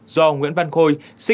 do nguyễn văn khôi